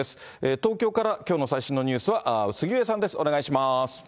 東京からきょうの最新のニュースは杉上さんです。